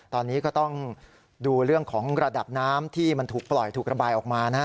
ตอนนี้ก็ต้องดูเรื่องของระดับน้ำที่มันถูกปล่อยถูกระบายออกมานะฮะ